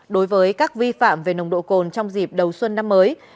đối với các vi phạm về nồng độ cồn trong dịp đầu xuân năm mới